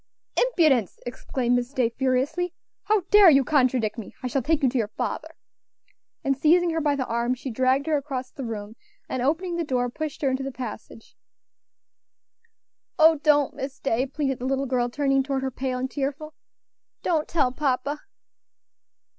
"Impudence!" exclaimed Miss Day, furiously; "how dare you contradict me? I shall take you to your father." And seizing her by the arm, she dragged her across the room, and opening the door, pushed her into the passage. "Oh! don't, Miss Day," pleaded the little girl, turning toward her, pale and tearful, "don't tell papa."